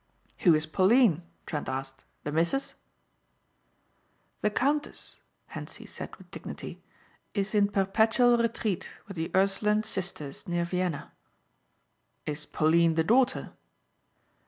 "Who is Pauline?" Trent asked, "the missus?" "The Countess," Hentzi said with dignity, "is in perpetual retreat with the Ursuline sisters near Vienna." "Is Pauline the daughter?"